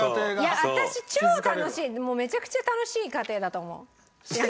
いや私超楽しいめちゃくちゃ楽しい家庭だと思う。